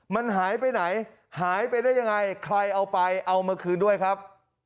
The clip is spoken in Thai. มันหายไปไหนหายไปได้ยังไงใครเอาไปเอามาคืนด้วยครับ